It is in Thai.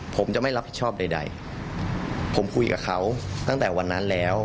ผมจะไม่รับผิดชอบใดผมคุยกับเขาตั้งแต่วันนั้นแล้ว